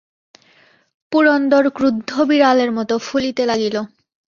পুরন্দর ক্রুদ্ধ বিড়ালের মতো ফুলিতে লাগিল।